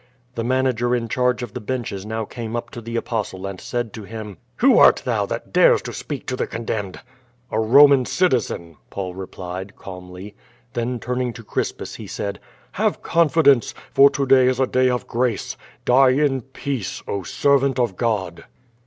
The manager in charge of the benches now came up to the Apostle, and said to him: "Who art thou that dares to speak to the condemned?" "A Roman citizen," Paul replied, calmly. Then turning to Crispus, he said: "Have confidence, for to day is a day of grace; die in peace, oh, servant of God!"